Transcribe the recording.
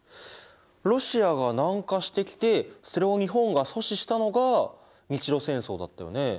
ロシアが南下してきてそれを日本が阻止したのが日露戦争だったよね。